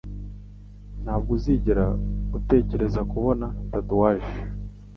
Ntabwo uzigera utekereza kubona tatouage?